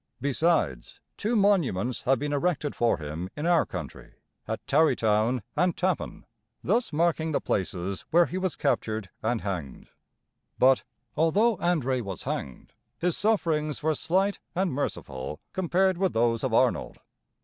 Besides, two monuments have been erected for him in our country, at Tarrytown and Tap´pan, thus marking the places where he was captured and hanged. But, although André was hanged, his sufferings were slight and merciful compared with those of Arnold.